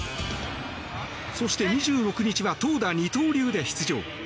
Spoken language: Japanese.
そして、２６日は投打二刀流で出場。